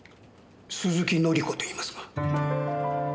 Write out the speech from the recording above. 鈴木紀子といいますが。